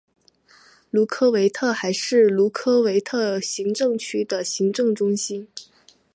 卢科维特还是卢科维特行政区的行政中心。